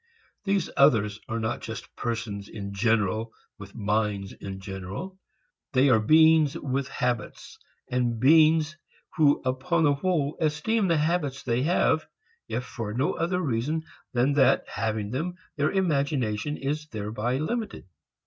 These others are not just persons in general with minds in general. They are beings with habits, and beings who upon the whole esteem the habits they have, if for no other reason than that, having them, their imagination is thereby limited.